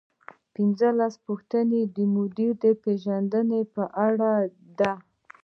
پنځلسمه پوښتنه د مدیر د پیژندنې په اړه ده.